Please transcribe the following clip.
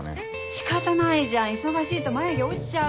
仕方ないじゃん忙しいと眉毛落ちちゃうの。